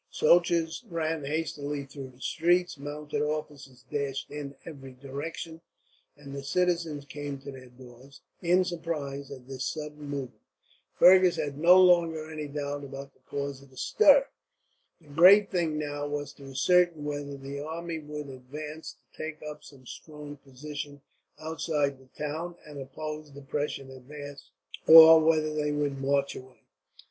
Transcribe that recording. Soldiers ran hastily through the streets, mounted officers dashed in every direction, and the citizens came to their doors, in surprise at this sudden movement. Fergus had no longer any doubt about the cause of the stir. The great thing, now, was to ascertain whether the army would advance to take up some strong position outside the town and oppose the Prussian advance, or whether they would march away.